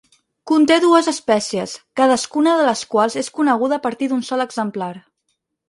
Conté dues espècies, cadascuna de les quals és coneguda a partir d'un sol exemplar.